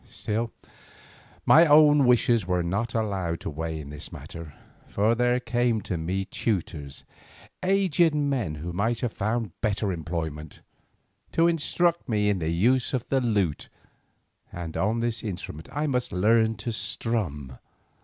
Still my own wishes were not allowed to weigh in the matter, for there came to me tutors, aged men who might have found better employment, to instruct me in the use of the lute, and on this instrument I must learn to strum.